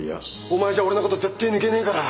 お前じゃ俺のこと絶対抜けねえから！